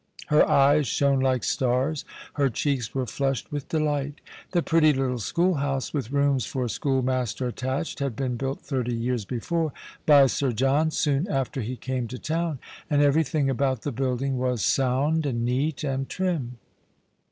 Her eyes shone like stars, her cheeks were flushed with delight. The pretty little schoolhouse, with rooms for schoolmaster attached, had been built thirty years before by Sir John, soon after he came to his own, and everything about the building was sound and neat and trim.